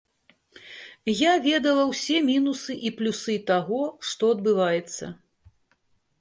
Я ведала ўсе мінусы і плюсы таго, што адбываецца.